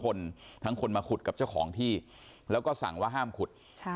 คนทั้งคนมาขุดกับเจ้าของที่แล้วก็สั่งว่าห้ามขุด